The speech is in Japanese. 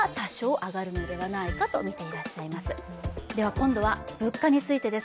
今度は物価についてです。